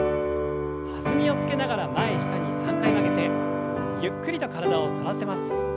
弾みをつけながら前下に３回曲げてゆっくりと体を反らせます。